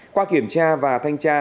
qua kiểm tra và thanh tra